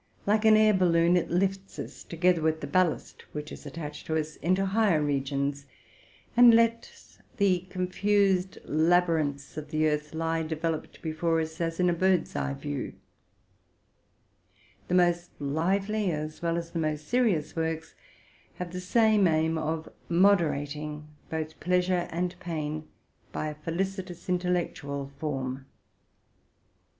Like an air balloon, it lifts us, together with the ballast which is attached to us, into higher regions, and lets the confused labyrinths of the earth lie developed before us as in a bird's eye view The most lively, as well as the most serious, works, haye the same aim of moderating both pleasure and pain by a felici tous intellectual form.